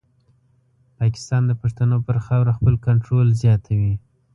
پاکستان د پښتنو پر خاوره خپل کنټرول زیاتوي.